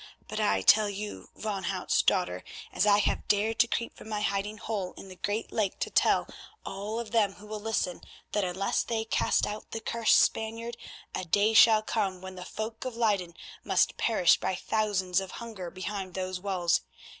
But I tell you, Van Hout's daughter, as I have dared to creep from my hiding hole in the great lake to tell all of them who will listen, that unless they cast out the cursed Spaniard, a day shall come when the folk of Leyden must perish by thousands of hunger behind those walls.